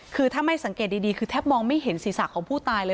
คือถ้าไม่สังเกตดีคือแทบมองไม่เห็นศีรษะของผู้ตายเลย